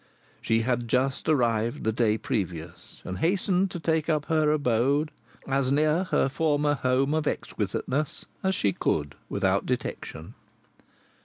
She had just arrived the day previous, and hastened to take up her abode as near her former home of exquisiteness as she could, without detection.